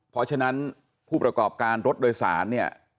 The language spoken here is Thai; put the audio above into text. เพราะฉะนั้นผู้ประกอบการรถโดยสารเนี่ย